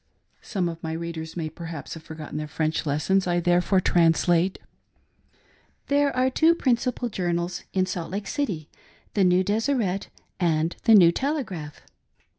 Some of my readers may perhaps have forgotten their French lessons : I, therefore, translate : There are two principal journals in Salt Lake City— the New Descret and the New Telegraph.